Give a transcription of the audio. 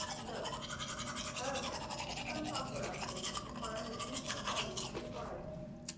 Note, however, that some software applications require that default values be supplied.